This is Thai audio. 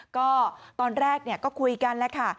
ก็ตอนแรกก็คุยกันแล้วค่ะ